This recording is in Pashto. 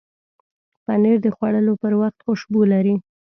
پنېر د خوړلو پر وخت خوشبو لري.